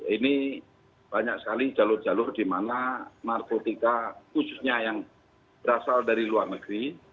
ini banyak sekali jalur jalur di mana narkotika khususnya yang berasal dari luar negeri